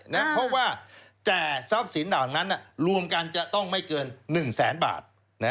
เพราะว่าแต่ทรัพย์สินเหล่านั้นรวมกันจะต้องไม่เกิน๑แสนบาท